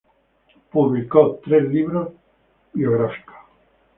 Publicó tres libros biográficos.